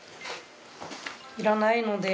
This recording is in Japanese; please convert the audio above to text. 「いらないので」